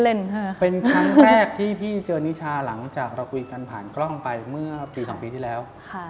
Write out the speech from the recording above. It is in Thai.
เป็นครั้งแรกที่พี่เจอนิชาหลังจากเราคุยกันผ่านกล้องไปเมื่อปี๒ปีที่แล้ว